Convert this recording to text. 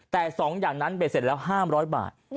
แต่๒อย่างนั้นเบ็ดเสร็จแล้ว๕๐๐บาท